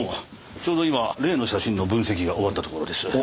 ちょうど今例の写真の分析が終わったところです。